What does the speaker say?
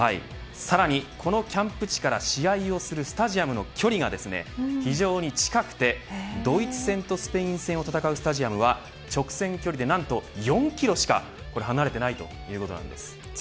さらにこのキャンプ地から試合をするスタジアムの距離が非常に近くてドイツ戦とスペイン戦を戦うスタジアムは直線距離で何と４キロしか離れていないということなんです。